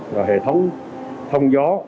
và hệ thống thông gió